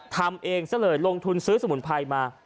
ทำเองซะเลยลงทุนซื้อสมุนไพรมา